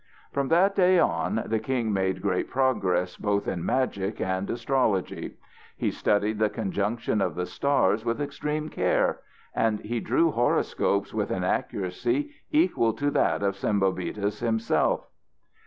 From that day on the king made great progress both in magic and astrology. He studied the conjunction of the stars with extreme care, and he drew horoscopes with an accuracy equal to that of Sembobitis himself.